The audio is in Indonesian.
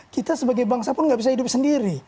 kita sebagai bangsa pun nggak bisa hidup sendiri